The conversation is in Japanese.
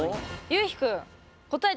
ゆうひくん答え